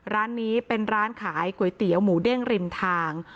ร้านนี้เป็นร้านขายก๋วยเตี๋ยวหมูเด้งริมทาง